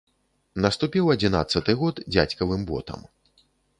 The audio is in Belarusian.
Наступіў адзінаццаты год дзядзькавым ботам.